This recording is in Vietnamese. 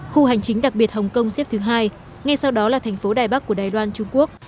khu hành chính đặc biệt hồng kông xếp thứ hai ngay sau đó là thành phố đài bắc của đài loan trung quốc